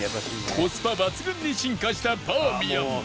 コスパ抜群に進化したバーミヤン